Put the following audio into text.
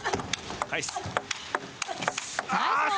返す。